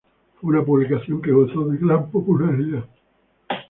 Fue una publicación que gozó de gran popularidad.